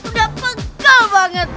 udah pegal banget